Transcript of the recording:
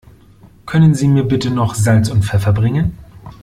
Können Sie mir bitte noch Salz und Pfeffer bringen?